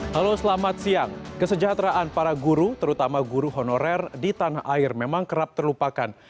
halo selamat siang kesejahteraan para guru terutama guru honorer di tanah air memang kerap terlupakan